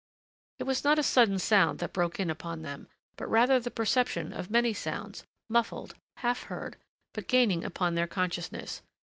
It was not a sudden sound that broke in upon them but rather the perception of many sounds, muffled, half heard, but gaining upon their consciousness.